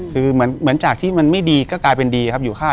คือเหมือนจากที่มันไม่ดีก็กลายเป็นดีครับอยู่ค่าย